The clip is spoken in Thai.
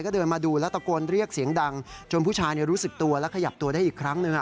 ก็เดินมาดูแล้วตะโกนเรียกเสียงดังจนผู้ชายรู้สึกตัวและขยับตัวได้อีกครั้งหนึ่ง